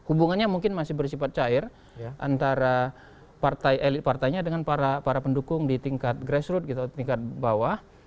hubungannya mungkin masih bersifat cair antara partai elit partainya dengan para pendukung di tingkat grassroot tingkat bawah